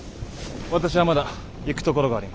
私はまだ行くところがあります。